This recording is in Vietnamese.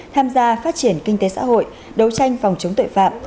tham gia phát triển kinh tế xã hội đấu tranh phòng chống tội phạm